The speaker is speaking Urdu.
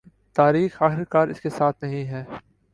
تاریخ آخرکار اس کے ساتھ نہیں ہے